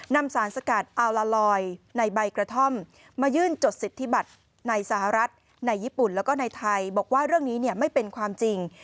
นำสารสกัดอัลลาลอยในใบกระท่อมมายื่นจดสิทธิบัติในสหรัฐในญี่ปุ่นแล้วก็ในไทยบอกว่าเรื่องนี้ไม่เป็นความจริง